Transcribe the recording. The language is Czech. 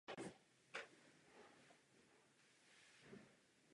Tvoří ji tři jednotky.